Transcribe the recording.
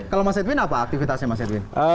kalau mas edwin apa aktivitasnya mas edwin